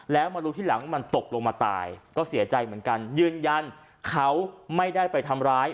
แล้วมารู้ทีหลังว่ามันตกลงมาตายก็เสียใจเหมือนกันยืนยันเขาไม่ได้ไปทำร้าย